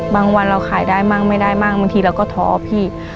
วันเราขายได้มั่งไม่ได้มั่งบางทีเราก็ท้อพี่